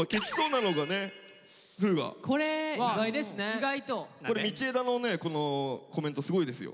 これ道枝のねこのコメントすごいですよ。